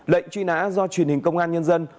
lệnh truy nã do truyền hình công an nhân dân